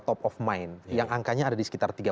top of mind yang angkanya ada di sekitar